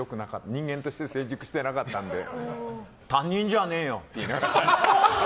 人間として成熟してなかったので担任じゃねえよ！って。